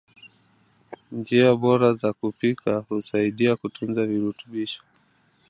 njia baora za kupika hunasaidia kutunza virutubisho